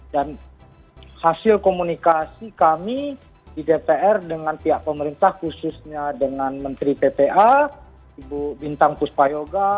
dan hasil komunikasi kami di dpr dengan pihak pemerintah khususnya dengan menteri tpa ibu bintang kuspayoga